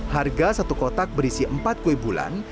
harga satu kotak berisi empat kue bulan